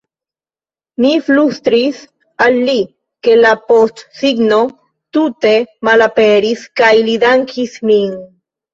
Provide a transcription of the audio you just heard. Mi flustris al li, ke la postsigno tute malaperis kaj li dankis min.